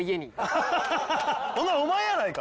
ほなお前やないか！